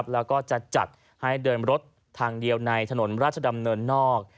แล้วก็จะจัดให้เดินรถทางเดียวในถนนราชดำเนินนอก